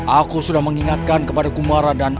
aku sudah mengingatkan kepada gemara dan tentu